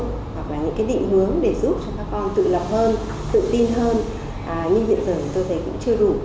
hoặc là những cái định hướng để giúp cho các con tự lập hơn tự tin hơn nhưng hiện giờ thì tôi thấy cũng chưa đủ